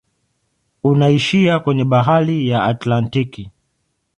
Unaishia kwenye bahari ya Atlantiki.